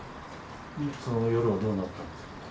その夜はどうなったんですか？